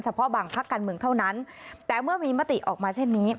เพาะบางพักการเมืองเท่านั้นแต่เมื่อมีมติออกมาเช่นนี้